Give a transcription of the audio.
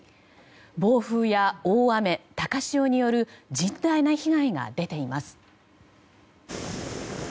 暴風や大雨、高潮による甚大な被害が出ています。